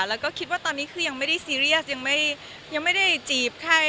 แล้วก็คิดว่าตอนนี้คือยังไม่ได้ซีเรียสยังไม่ได้จีบใคร